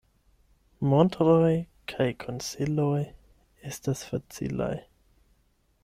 Montroj kaj konsiloj estas facilaj.